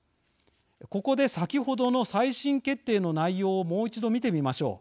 ここで、先ほどの再審決定の内容をもう一度見てみましょう。